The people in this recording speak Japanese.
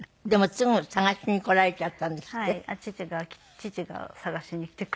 父が捜しにきてくれて。